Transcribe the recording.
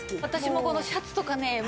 私もこのシャツとかね